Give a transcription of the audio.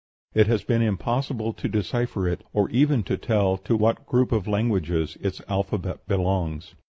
It has been impossible to decipher it, or even to tell to what group of languages its alphabet belongs.